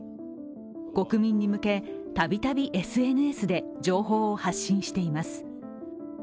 国民に向け、たびたびＳＮＳで情報を発信しています。